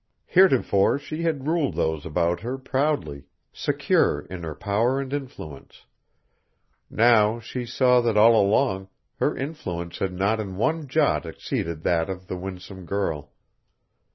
Heretofore she had ruled those about her proudly, secure in her power and influence. Now she saw that all along her influence had in not one jot exceeded that of the winsome girl.